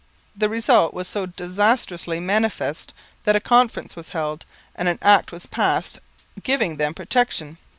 The result was so disastrously manifest that a conference was held, and an Act was passed giving them protection.